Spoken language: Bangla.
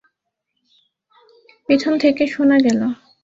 পিছন থেকে শোনা গেল।